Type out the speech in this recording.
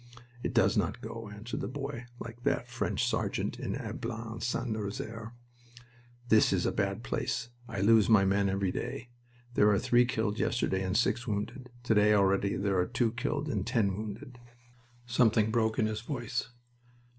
"It does not go," answered the boy like that French sergeant in Ablain St. Nazaire. "This is a bad place. I lose my men every day. There were three killed yesterday, and six wounded. To day already there are two killed and ten wounded." Something broke in his voice.